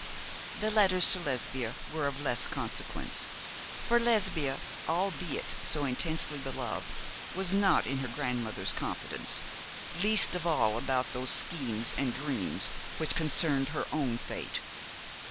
The letters to Lesbia were of less consequence; for Lesbia, albeit so intensely beloved, was not in her grandmother's confidence, least of all about those schemes and dreams which concerned her own fate.